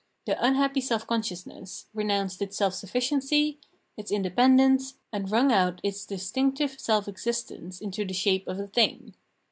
The unhappy self consciousness re nounced its self sufficiency, its independence, and wrung out its distinctive self existence into the shape of a thing.